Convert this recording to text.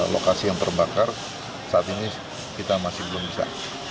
lokasi yang terbakar saat ini kita masih belum bisa